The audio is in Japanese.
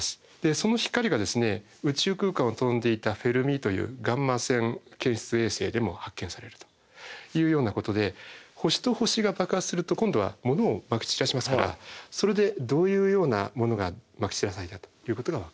その光が宇宙空間を飛んでいたＦｅｒｍｉというガンマ線検出衛星でも発見されるというようなことで星と星が爆発すると今度は物をまき散らしますからそれでどういうようなものがまき散らされたということがわかる。